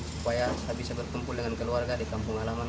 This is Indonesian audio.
supaya saya bisa berkumpul dengan keluarga di kampung halaman